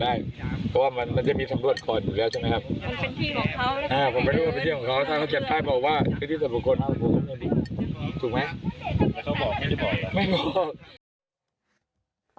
นายสู่การคนนี้ตำรวจยังไม่เชื่อค่ะก็คุมตัวสู่การไปไปสอบสวนต่อที่โรงพรรค